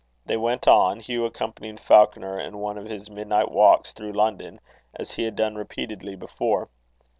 They went on, Hugh accompanying Falconer in one of his midnight walks through London, as he had done repeatedly before.